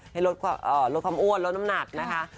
ให้ลดความอ้วนลดน้ำหนักนะคะ